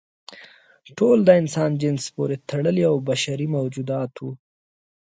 ټول د انسان جنس پورې تړلي او بشري موجودات وو.